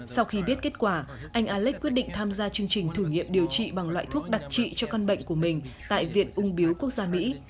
sau khi biết kết quả anh alex quyết định tham gia chương trình thử nghiệm điều trị bằng loại thuốc đặc trị cho căn bệnh của mình tại viện ung biếu quốc gia mỹ